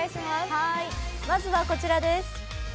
まずはこちらです。